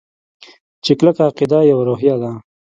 چې کلکه عقیده يوه روحیه ده.